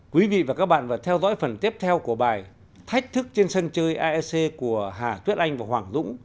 quý vị và các bạn vừa theo dõi phần tiếp theo của bài thách thức trên sân chơi aec của hà tuyết anh và hoàng dũng